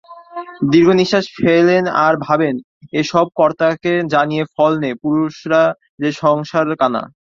দীর্ঘনিশ্বাস ফেলেন আর ভাবেন, এ-সব কর্তাকে জানিয়ে ফল নেই, পুরুষরা যে সংসার-কানা।